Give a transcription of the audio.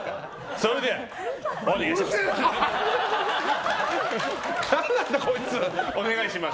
それではお願いします。